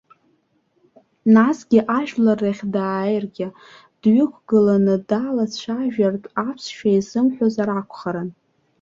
Насгьы, ажәлар рахь дааиргьы, дҩықәгылан далацәажәартә аԥсшәа изымҳәозар акәхарын.